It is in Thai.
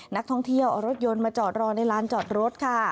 นักท่องเที่ยวเอารถยนต์มาจอดรอในลานจอดรถค่ะ